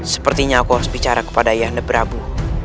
sepertinya aku harus bicara kepada ayah anda prabu